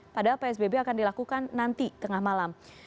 padahal psbb akan dilakukan nanti tengah malam